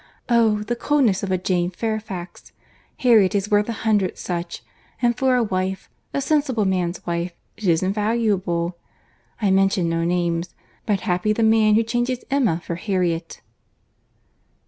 Oh! the coldness of a Jane Fairfax!—Harriet is worth a hundred such—And for a wife—a sensible man's wife—it is invaluable. I mention no names; but happy the man who changes Emma for Harriet!"